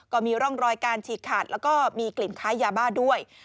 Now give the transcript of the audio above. ก็มีร่องรอยการฉีกขาดแล้วก็มีกลิ่นคล้ายยาบ้าด้วย